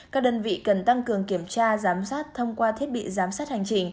các đơn vị cần tăng cường kiểm tra giám sát thông qua thiết bị giám sát hành trình